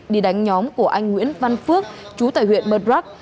đi đánh nhóm của anh nguyễn văn phúc chú tại huyện mật rắc